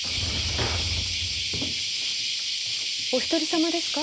お一人様ですか？